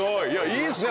いいっすね。